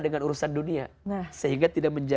dengan urusan dunia sehingga tidak